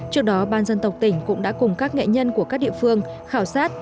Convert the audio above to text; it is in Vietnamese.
trước đó ban dân tộc tỉnh cũng đã cùng các nghệ nhân của các địa phương khảo sát